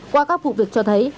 qua các vụ việc cho thấy